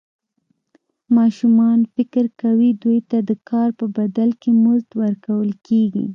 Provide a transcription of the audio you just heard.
ماشومان فکر کوي دوی ته د کار په بدل کې مزد ورکول کېږي.